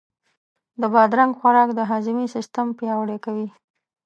د بادرنګ خوراک د هاضمې سیستم پیاوړی کوي.